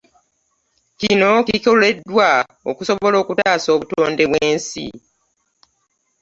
Kino kikoleddwa okusobola Okutaasa obutonde bwensi